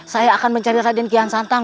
saya akan mencari raden kian santang